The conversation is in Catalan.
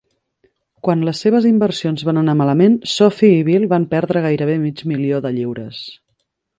Quan les seves inversions van anar malament, Sophie i Bill van perdre gairebé mig milió de lliures.